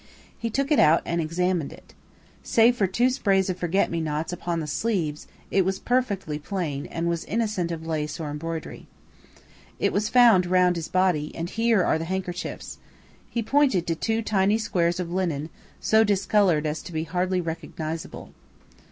He took it out and examined it. Save for two sprays of forget me nots upon the sleeves it was perfectly plain and was innocent of lace or embroidery. "It was found round his body, and here are the handkerchiefs." He pointed to two tiny squares of linen, so discoloured as to be hardly recognisable.